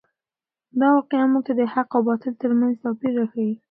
دا واقعه موږ ته د حق او باطل تر منځ توپیر راښیي.